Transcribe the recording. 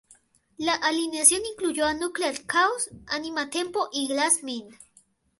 La alineación incluyó a Nuclear Chaos, Anima Tempo y Glass Mind.